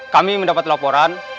kami mendapat laporan